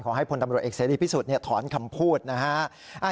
ให้พลตำรวจเอกเสรีพิสุทธิ์ถอนคำพูดนะฮะ